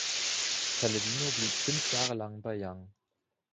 Palladino blieb fünf Jahre lang bei Young.